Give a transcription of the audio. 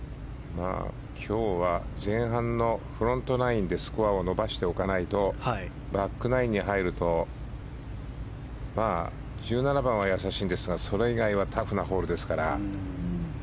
今日は前半のフロントナインでスコアを伸ばしておかないとバックナインに入ると１７番はやさしいんですがそれ以外はタフなホールですから。